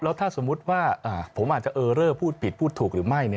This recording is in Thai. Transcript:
แล้วถ้าสมมุติว่าผมอาจจะเออเลอร์พูดผิดพูดถูกหรือไม่